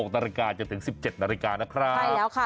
๑๖นจะถึง๑๗นนะครับใช่แล้วค่ะ